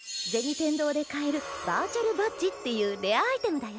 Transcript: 天堂で買えるバーチャルバッジっていうレアアイテムだよ。